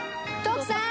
徳さん！